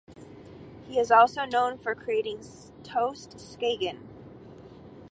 He is also known for creating Toast Skagen.